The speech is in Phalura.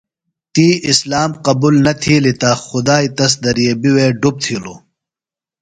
تی اسلام قبُل نہ تِھیلیۡ تہ خُدائی تس دریبیۡ وے ڈُپ تِھیلوۡ۔